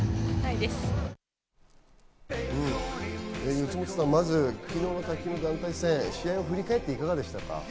四元さん、まず昨日の卓球の団体戦、試合を振り返っていかがでしたか？